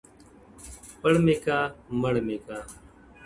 • پړ مي که مړ مي که -